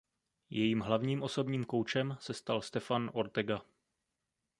Jejím hlavním osobním koučem se stal Stefan Ortega.